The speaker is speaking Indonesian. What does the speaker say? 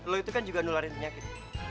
lo itu kan juga nularin penyakit